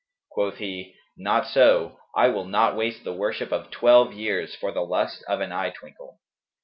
Quoth he, 'Not so, I will not waste the worship of twelve years for the lust of an eye twinkle.'